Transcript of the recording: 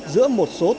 giữa một số đại biểu